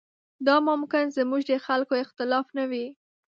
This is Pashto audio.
دا ممکن زموږ د خلکو اختلاف نه وي.